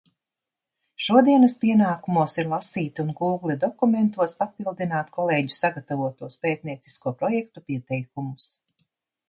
Šodienas pienākumos ir lasīt un "Gūgle" dokumentos papildināt kolēģu sagatavotos pētniecisko projektu pieteikumus.